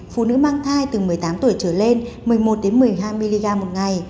phụ nữ mang thai từ một mươi tám tuổi trở lên một mươi một một mươi hai mg một ngày